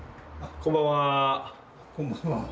こんばんは。